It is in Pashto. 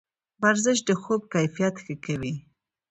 ورزش د خوب کیفیت ښه کوي.